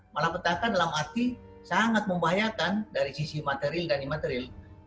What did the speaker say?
malah petaka dalam arti sangat membahayakan dari sisi material dan imaterial